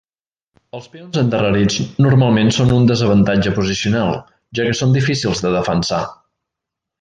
Els peons endarrerits normalment són un desavantatge posicional, ja que són difícils de defensar.